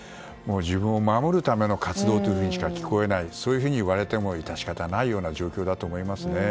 自分を守るための活動というふうにしか聞こえないと言われても致し方ない状況だなと思いますね。